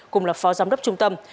cùng là phó giám đốc trung tâm